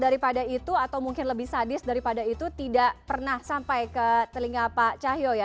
daripada itu atau mungkin lebih sadis daripada itu tidak pernah sampai ke telinga pak cahyo ya